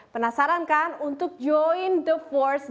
penasaran kan untuk joint the force